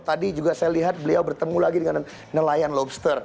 tadi juga saya lihat beliau bertemu lagi dengan nelayan lobster